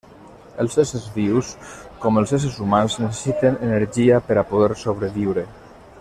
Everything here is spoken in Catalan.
Els éssers vius, com els éssers humans, necessiten energia per a poder sobreviure.